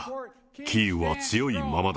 キーウは強いままだ。